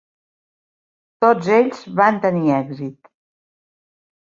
Tots ells van tenir èxit.